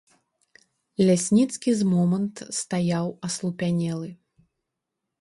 Лясніцкі з момант стаяў аслупянелы.